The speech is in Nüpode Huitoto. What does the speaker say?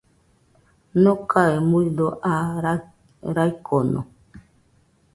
Nokae muido aa raikono.